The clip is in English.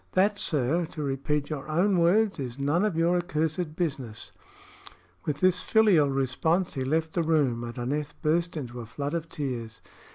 "That, sir, to repeat your own words, is none of your accursed business." With this filial response he left the room, and Aneth burst into a flood of tears.